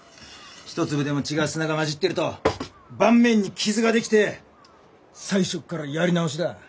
一粒でも違う砂が混じってると盤面に傷が出来て最初からやり直しだ。